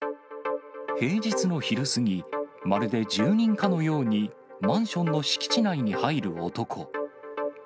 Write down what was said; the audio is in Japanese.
平日の昼過ぎ、まるで住人かのようにマンションの敷地内に入る男。